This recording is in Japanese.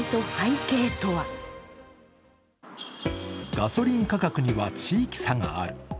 ガソリン価格には地域差がある。